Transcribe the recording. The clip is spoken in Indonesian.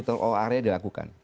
tour of area dilakukan